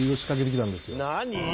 何？